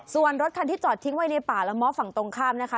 ส่วนรถคันที่จอดทิ้งไว้ในป่าละม้อฝั่งตรงข้ามนะคะ